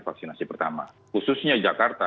vaksinasi pertama khususnya jakarta